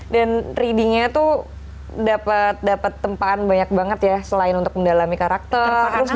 dan readingnya tuh dapat tempaan banyak banget ya selain untuk mendalami karakter